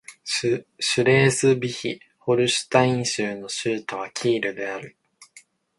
シュレースヴィヒ＝ホルシュタイン州の州都はキールである